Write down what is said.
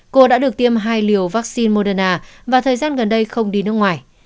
cô đã được tiêm hai liều vaccine moderna và thời gian gần đây không đi nước ngoài